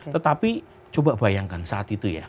tetapi coba bayangkan saat itu ya